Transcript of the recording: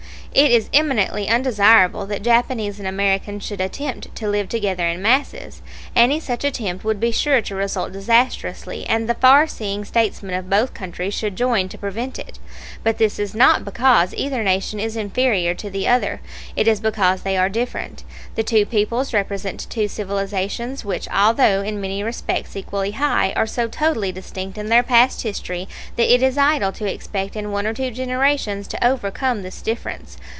It is eminently undesirable that Japanese and Americans should attempt to live together in masses; any such attempt would be sure to result disastrously, and the far seeing statesmen of both countries should join to prevent it. But this is not because either nation is inferior to the other; it is because they are different. The two peoples represent two civilizations which, although in many respects equally high, are so totally distinct in their past history that it is idle to expect in one or two generations to overcome this difference.